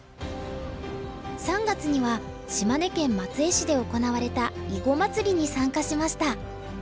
３月には島根県松江市で行われた囲碁まつりに参加しました。